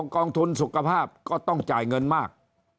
กองทุนสุขภาพก็ต้องจ่ายเงินมาก